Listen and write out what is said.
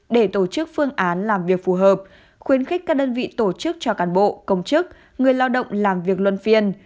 để tổ chức phương án làm việc phù hợp khuyến khích các đơn vị tổ chức cho cán bộ công chức người lao động làm việc luân phiên